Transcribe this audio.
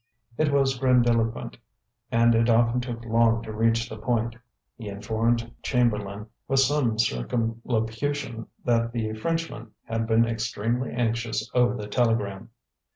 It was grandiloquent, and it often took long to reach the point. He informed Chamberlain, with some circumlocution, that the Frenchman had been extremely anxious over the telegram.